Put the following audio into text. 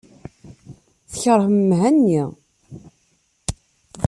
Tkeṛhem Mhenni.